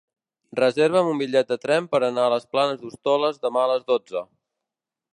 Reserva'm un bitllet de tren per anar a les Planes d'Hostoles demà a les dotze.